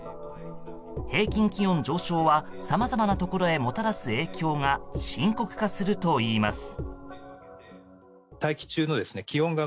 平均気温上昇はさまざまなところへもたらす影響が深刻化するといいます。